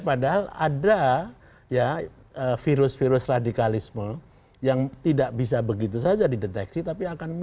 padahal ada virus virus radikalisme yang tidak bisa begitu saja didapatkan